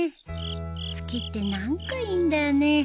月って何かいいんだよね。